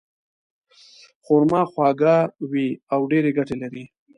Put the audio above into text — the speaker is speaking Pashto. خرما خواږه وي او ډېرې ګټې لري.